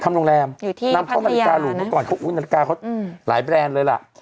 ทำโรงแรมนำเข้านาฬิกาหลุมก่อนนาฬิกาเขาหลายแบรนด์เลยล่ะ